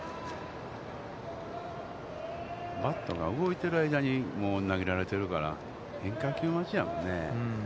バットが動いている間にもう投げられているから変化球待ちやもんね。